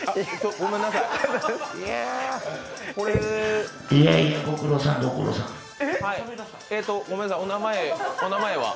ごめんなさい、お名前は？